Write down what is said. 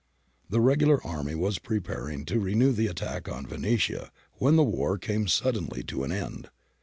The regular army was preparing to re new the attack on Venetia when the war came suddenly to an end.